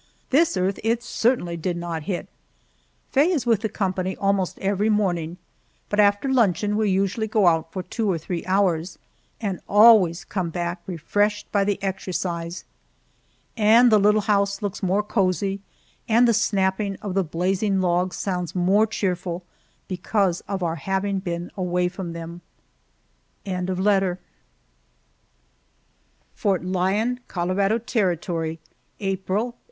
This earth it certainly did not hit! Faye is with the company almost every morning, but after luncheon we usually go out for two or three hours, and always come back refreshed by the exercise. And the little house looks more cozy, and the snapping of the blazing logs sounds more cheerful because of our having been away from them. FORT LYON, COLORADO TERRITORY, April, 1872.